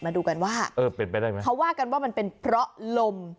มาดูกันว่าเออเป็นไปได้ไหมเขาว่ากันว่ามันเป็นเพราะลม